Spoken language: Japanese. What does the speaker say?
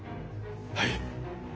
はい。